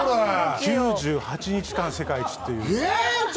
９８日間世界一という。